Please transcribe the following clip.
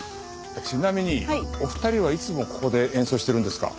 ちなみにお二人はいつもここで演奏してるんですか？